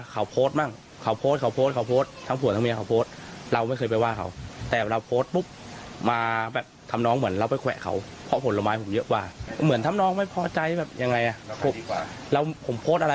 เขาพลาเขาโพสต์บ้างเขาโพสต์